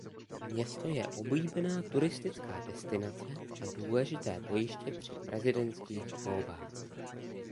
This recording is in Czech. Město je oblíbená turistická destinace a důležité bojiště při prezidentských volbách.